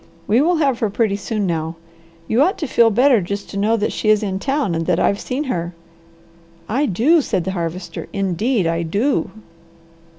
We will have her pretty soon now. You ought to feel better just to know that she is in town and that I've seen her." "I do!" said the Harvester. "Indeed I do!"